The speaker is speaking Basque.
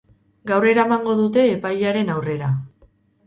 Gaur eramango dute epailearen aurrera.